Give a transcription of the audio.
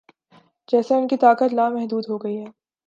جیسے ان کی طاقت لامحدود ہو گئی ہے۔